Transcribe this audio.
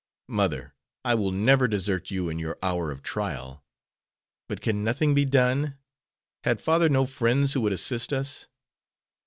"Mother, I will never desert you in your hour of trial. But can nothing be done? Had father no friends who would assist us?"